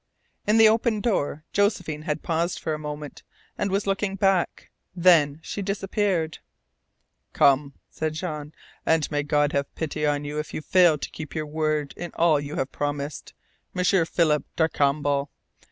In the open door Josephine had paused for a moment, and was looking back. Then she disappeared. "Come," said Jean. "And may God have pity on you if you fail to keep your word in all you have promised, M'sieur Philip Darcambal.